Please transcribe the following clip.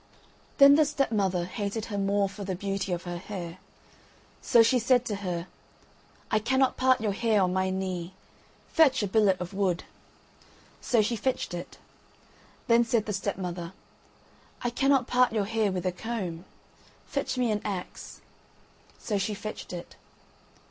Then the stepmother hated her more for the beauty of her hair; so she said to her, "I cannot part your hair on my knee, fetch a billet of wood." So she fetched it. Then said the stepmother, "I cannot part your hair with a comb, fetch me an axe." So she fetched it.